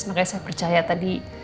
makanya saya percaya tadi